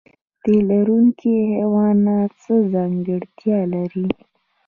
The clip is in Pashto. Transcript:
تی لرونکي حیوانات څه ځانګړتیا لري؟